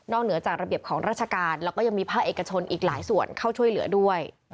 เหนือจากระเบียบของราชการแล้วก็ยังมีภาคเอกชนอีกหลายส่วนเข้าช่วยเหลือด้วย